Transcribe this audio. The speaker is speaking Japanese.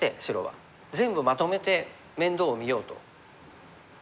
全部まとめて面倒をみようと。